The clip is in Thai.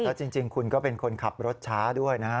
แล้วจริงคุณก็เป็นคนขับรถช้าด้วยนะฮะ